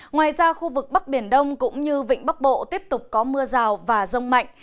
ngoài ra khu vực bắc biển đông cũng như vịnh bắc bộ tiếp tục có mưa rào và rông mạnh